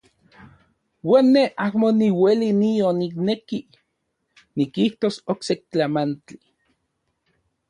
Uan ne amo niueli nion nikneki nikijtos okse tlamantli.